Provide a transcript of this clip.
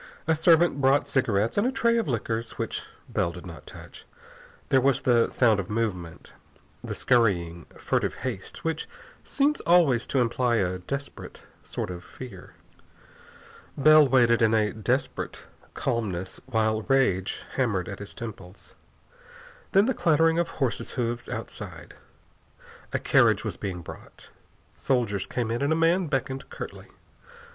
A servant brought cigarettes and a tray of liquors which Bell did not touch. There was the sound of movement, the scurrying, furtive haste which seems always to imply a desperate sort of fear. Bell waited in a terrible calmness, while rage hammered at his temples. Then the clattering of horses' hoofs outside. A carriage was being brought. Soldiers came in and a man beckoned curtly.